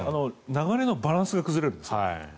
流れのバランスが崩れるんです。